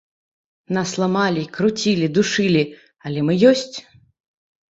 Нас ламалі, круцілі, душылі, але мы ёсць.